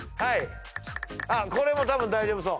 これもたぶん大丈夫そう。